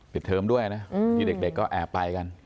เทอมด้วยนะที่เด็กก็แอบไปกัน